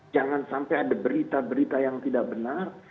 jangan sampai ada berita berita yang tidak benar